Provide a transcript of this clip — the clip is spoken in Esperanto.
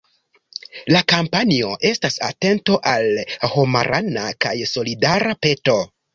La kampanjo estas atento al homarana kaj solidara peto.